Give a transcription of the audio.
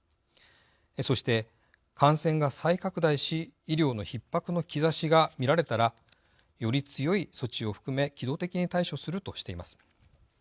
そして、感染が再拡大し医療のひっ迫の兆しが見られたらより強い措置を含め機動的に対処するとしています。